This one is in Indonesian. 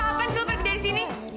kapan selalu pergi dari sini